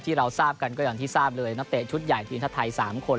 เราทราบกันก็อย่างที่ทราบเลยนักเตะชุดใหญ่ทีมชาติไทย๓คน